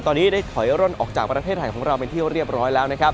ตอนนี้ได้ถอยอ้อนออกจากประเทศไทยของเราไปเที่ยวเรียบร้อยแล้ว